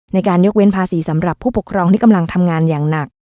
ในการยกเว้นภาษีสำหรับผู้ปกครองที่กำลังทำงานอย่างหนัก